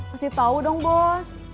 masih tahu dong bos